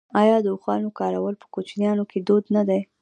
آیا د اوښانو کارول په کوچیانو کې دود نه دی؟